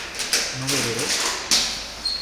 ¿no beberé?